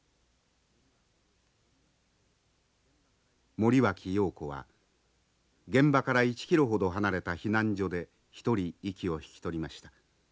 森脇瑤子は現場から１キロほど離れた避難所で一人息を引き取りました。